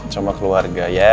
sama keluarga ya